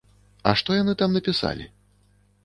А што яны там напісалі?